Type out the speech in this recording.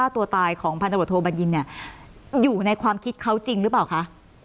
ตัวตายของพันธบทโทบัญญินเนี่ยอยู่ในความคิดเขาจริงหรือเปล่าคะ